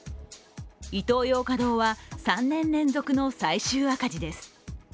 イトーヨーカ堂は３年連続の最終赤字です。